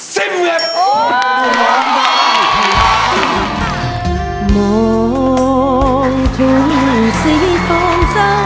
ซิมเหมือน